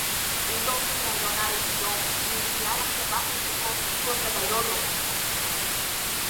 Entonces la aeronave giró en espiral hacia abajo y chocó contra el aeródromo.